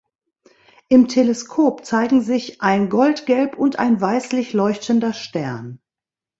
Im Teleskop zeigen sich ein goldgelb und ein weißlich leuchtender Stern.